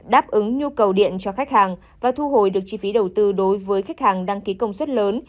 đáp ứng nhu cầu điện cho khách hàng và thu hồi được chi phí đầu tư đối với khách hàng đăng ký công suất lớn